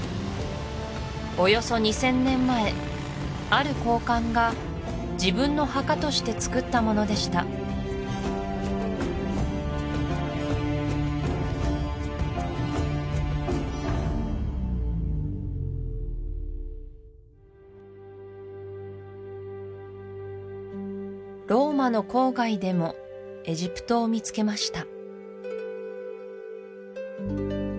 およそ２０００年前ある高官が自分の墓としてつくったものでしたローマの郊外でもエジプトを見つけました